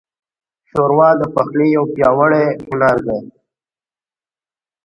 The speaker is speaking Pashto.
ښوروا د پخلي یو پیاوړی هنر دی.